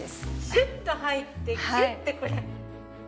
シュッと入ってキュッてこれ。